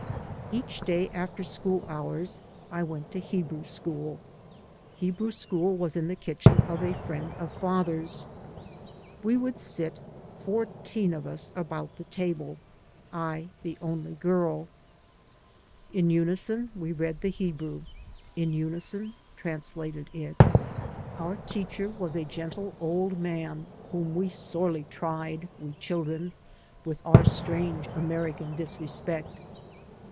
Each day after school hours I went to Hebrew school; Hebrew school was in the kitchen of a friend of father's. We would sit, fourteen of us, about the table, I the only girl. In unison we read the Hebrew, in unison translated it. Our teacher was a 3 by Google MY MOTHER AND I gentle old man whom we sorely tried, we chil dren with our strange American disrespect.